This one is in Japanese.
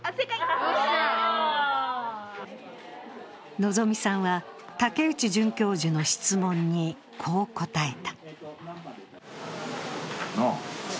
希さんは竹内准教授の質問に、こう答えた。